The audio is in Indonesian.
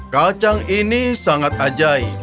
kacang ini sangat ajaib